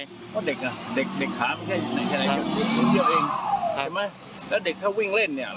เพราะเด็กน่ะเด็กขาไม่ใช่แค่ไหนมันตกเยอะเองเห็นไหม